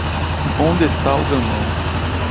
onde está o gamão?